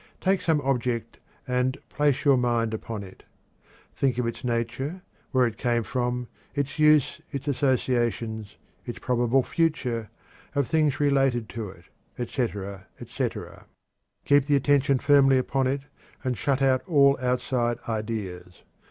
Take some object and "place your mind upon it." Think of its nature, where it came from, its use, its associations, its probable future, of things related to it, etc., etc. Keep the attention firmly upon it, and shut out all outside ideas.